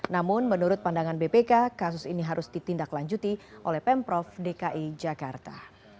namun menurut pandangan bpk kasus ini harus ditindaklanjuti oleh pemprov dki jakarta